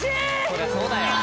そりゃそうだよ。